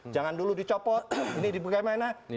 jangan dulu dicopot ini bagaimana